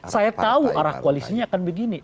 saya tahu arah koalisinya akan begini